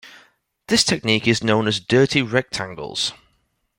This technique is known as dirty rectangles.